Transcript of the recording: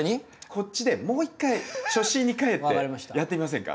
こっちでもう一回初心にかえってやってみませんか？